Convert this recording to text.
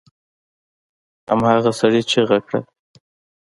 هماغه سړي چيغه کړه!